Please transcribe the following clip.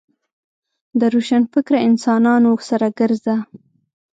د روشنفکره انسانانو سره ګرځه .